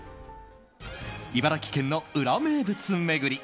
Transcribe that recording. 茨城県のウラ名物巡り。